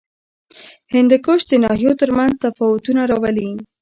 هندوکش د ناحیو ترمنځ تفاوتونه راولي.